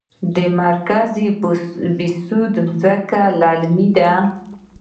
د مرکز بهسود ځمکې للمي دي